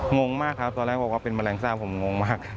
งงมากครับตอนแรกบอกว่าเป็นแมลงทราบผมงงมาก